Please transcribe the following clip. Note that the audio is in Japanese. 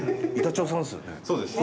そうです。